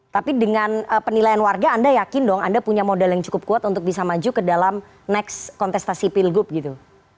tapi dengan penilaian warga anda yakin dong anda punya modal yang cukup kuat untuk bisa maju ke dalam next kontestasi pilgub gitu